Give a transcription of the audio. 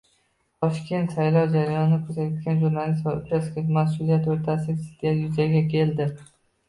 Toshkentda saylov jarayonini kuzatgan jurnalist va uchastka mas’uli o‘rtasida ziddiyat yuzaga keldi